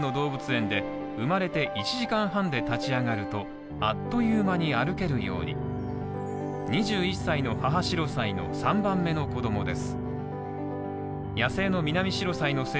フランス東部の動物園で生まれて１時間半で立ち上がると、あっという間に歩けるように２１歳の母シロサイの３番目の子供です。